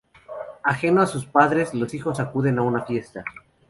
Ajeno a sus padres, los hijos acuden a una fiesta.